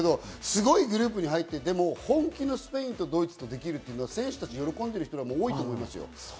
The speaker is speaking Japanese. すごいグループに入っていて、本気のスペインとドイツとできるというのは選手たち喜んでる人多いと思います。